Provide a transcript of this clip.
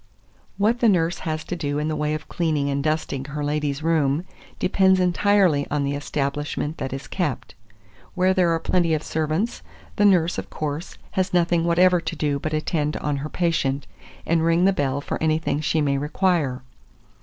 2432. What the nurse has to do in the way of cleaning and dusting her lady's room, depends entirely on the establishment that is kept. Where there are plenty of servants, the nurse, of course, has nothing whatever to do but attend on her patient, and ring the bell for anything she may require.